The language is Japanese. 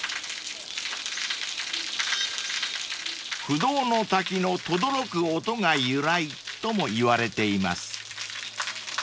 ［不動の滝のとどろく音が由来ともいわれています］